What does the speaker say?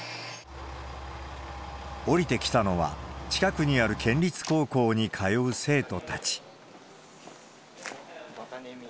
下りてきたのは、近くにある県立高校に通う生徒たち。